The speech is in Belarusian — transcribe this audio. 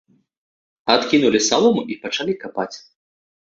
Адкінулі салому і пачалі капаць.